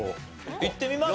いってみます？